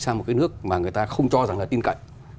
sang một cái nước mà người ta không cho rằng là tin cậy